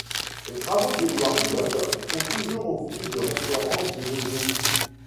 Les travaux d'Édouard Biot font toujours office de référence de nos jours.